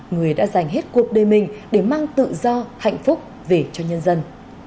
người đã dành hết cuộc đời mình để mang tự do hạnh phúc về cho nhân dân